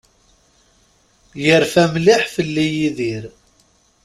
Yerfa mliḥ fell-i Yidir.